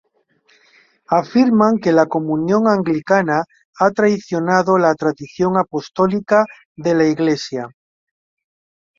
Afirman que la Comunión Anglicana ha traicionado la tradición apostólica de la Iglesia.